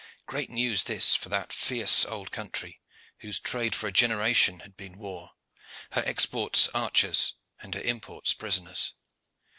Great news this for that fierce old country, whose trade for a generation had been war, her exports archers and her imports prisoners.